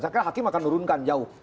saya kira hakim akan nurunkan jauh